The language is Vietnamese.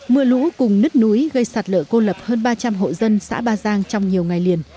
mưa lũ cùng nứt núi gây sạt lở cô lập hơn ba trăm linh hộ dân xã ba giang trong nhiều ngày liền